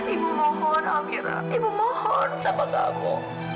ibu mohon amira ibu mohon sama kamu